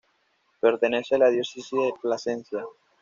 Pertenece a la Diócesis de Plasencia.